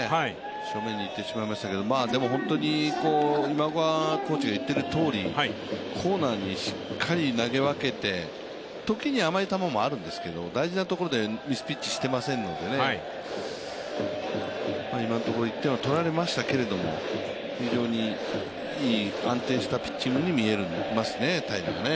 正面にいってしまいましたけどでも、今岡コーチが言っているとおり、コーナーにしっかり投げ分けて、時に甘い球もあるんですけれども大事なところでミスピッチしていませんので、今のところ１点は取られましたけれども、非常にいい、安定したピッチングに見えますね、平良はね。